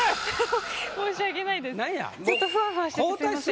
申し訳ないです。